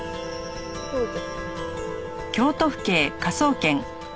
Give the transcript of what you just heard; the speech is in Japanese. どうぞ。